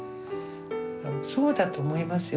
そうだと思いますよ。